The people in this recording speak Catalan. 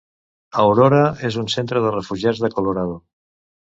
Aurora és un centre de refugiats de Colorado.